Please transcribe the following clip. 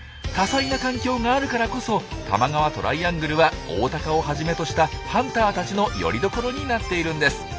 多彩な環境があるからこそ多摩川トライアングルはオオタカをはじめとしたハンターたちのよりどころになっているんです。